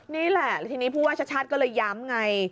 นี่แหละทีนี้ผู้ว่าชัดก็เลยย้ำไง